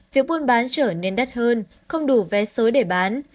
việc buôn bán trở nên đắt hơn không đủ vé số để bán